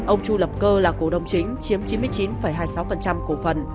ông chu lập cơ là cổ đông chính chiếm chín mươi chín hai mươi sáu cổ phần